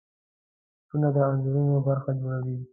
بوټونه د انځورونو برخه جوړوي.